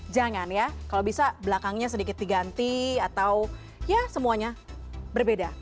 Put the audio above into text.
jangan ya kalau bisa belakangnya sedikit diganti atau ya semuanya berbeda